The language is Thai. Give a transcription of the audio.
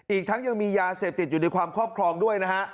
อีกทั้งยังมียาเสพติดอยู่ในความครอบครองด้วยนะฮะ